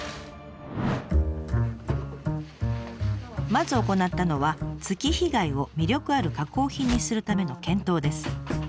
まず行ったのは月日貝を魅力ある加工品にするための検討です。